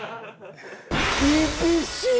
厳しい！